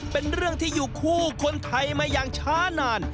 เป็นเรื่องที่อยู่คู่คนไทยมาอย่างช้านาน